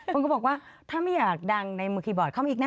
คนก็บอกว่าถ้าไม่อยากดังในมือคีย์บอร์ดเข้ามาอีกนะ